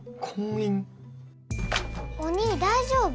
お兄大丈夫？